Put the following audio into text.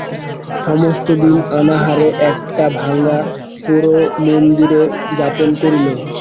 সমস্ত দিন অনাহারে একটা ভাঙা পোড়ো মন্দিরে যাপন করিল।